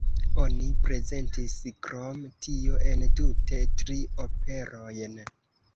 Oni prezentis krom tio entute tri operojn.